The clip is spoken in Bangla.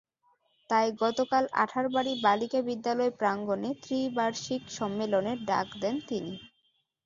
তাই গতকাল আঠারবাড়ী বালিকা বিদ্যালয় প্রাঙ্গণে ত্রিবার্ষিক সম্মেলনের ডাক দেন তিনি।